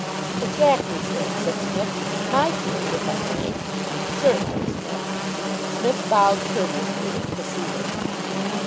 "Exactly, sir," said Psmith. "My theory, if I may ?" "Certainly, Smith." Psmith bowed courteously and proceeded.